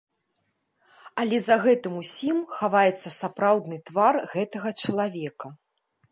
Але за гэтым усім хаваецца сапраўдны твар гэтага чалавека.